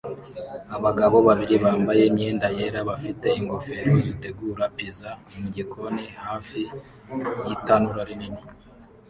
Abagabo babiri bambaye imyenda yera bafite ingofero zitegura pizza mugikoni hafi yitanura rinini